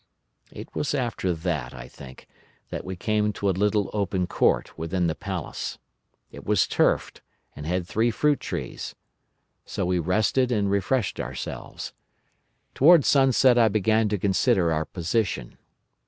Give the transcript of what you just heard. "It was after that, I think, that we came to a little open court within the palace. It was turfed, and had three fruit trees. So we rested and refreshed ourselves. Towards sunset I began to consider our position.